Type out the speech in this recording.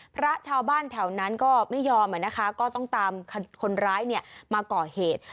พระชาวบ้านแถวนั้นก็ไม่ยอมก็ต้องตามคนร้ายมาก่อเหตุ